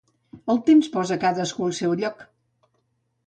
El temps posa cadascú al seu lloc.